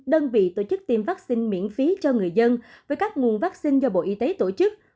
đơn vị tổ chức tiêm vaccine miễn phí cho người dân với các nguồn vaccine do bộ y tế tổ chức